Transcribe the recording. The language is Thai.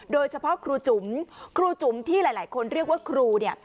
โดยเฉพาะครูจุ๋มครูจุ๋มที่หลายคนเรียกว่าครูเนี่ย